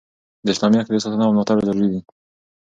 د اسلامي عقیدي ساتنه او ملاتړ ضروري دي.